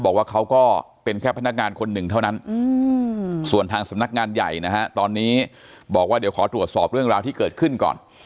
บอกว่าเขาก็เป็นแค่พนักงานคนหนึ่งเท่านั้นส่วนทางสำนักงานใหญ่นะฮะตอนนี้บอกว่าเดี๋ยวขอตรวจสอบเรื่องราวที่เกิดขึ้นก่อน